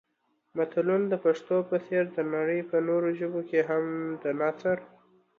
متلونه د پښتو په څېر د نړۍ په نورو ژبو کې هم د نثر